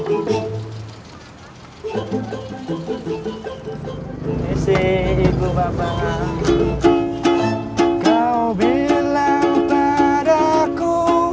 ini si ibu bapak aku